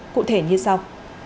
cụ thể như sau